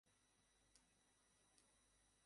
এরপর, আমাদের জাহাজ ভেসে চলল।